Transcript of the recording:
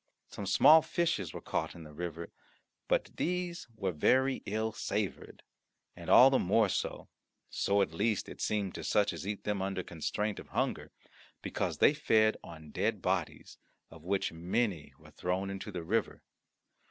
Some small fishes were caught in the river; but these were very ill savoured, and all the more so so, at least, it seemed to such as eat them under constraint of hunger because they fed on dead bodies, of which many were thrown into the river.